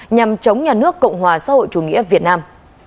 nhằm chống nhà nước cộng hòa xã hội chủ nghĩa việt nam